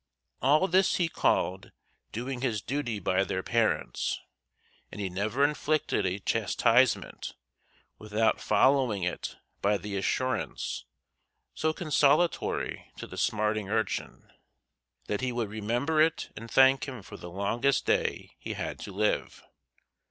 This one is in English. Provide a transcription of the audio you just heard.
All this he called "doing his duty by their parents;" and he never inflicted a chastisement without following it by the assurance, so consolatory to the smarting urchin, that "he would remember it and thank him for it the longest day he had to live."